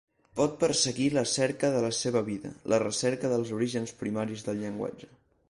Pot perseguir la cerca de la seva vida, la recerca dels orígens primaris del llenguatge.